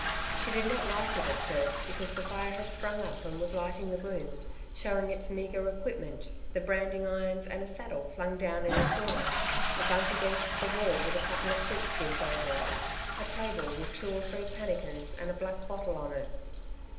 She did not light it at first because the fire had sprung up and was lighting the room, showing its meagre equipment, the branding irons and a saddle flung down in a corner, a bunk against the wall with a couple of sheepskins over it, a table with two or three pannikins and a black bottle on it.